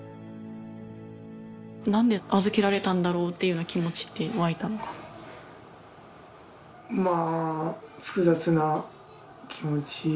なんで預けられたんだろうっていうような気持ちって湧いたのかな？